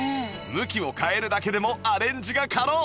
向きを変えるだけでもアレンジが可能！